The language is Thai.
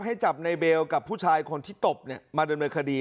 ให้จับในเบลกับผู้ชายคนที่ตบมาดำเนินคดี